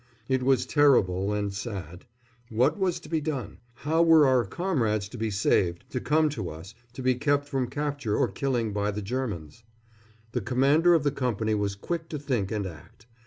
It was terrible and sad. What was to be done? How were our comrades to be saved, to come to us, to be kept from capture or killing by the Germans? The commander of the company was quick to think and act.